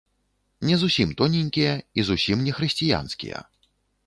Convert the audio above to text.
Не зусім тоненькія і зусім не хрысціянскія.